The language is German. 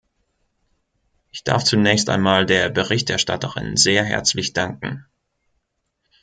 Ich darf zunächst einmal der Berichterstatterin sehr herzlich danken.